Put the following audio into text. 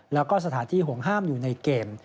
แล้วก็สถานที่ห่วงห้ามอยู่ในเกม